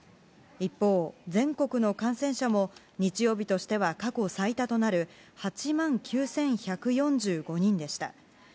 一方、全国の感染者も日曜日としては過去最多となる８万９１４５人でした。